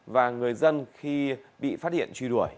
và người dân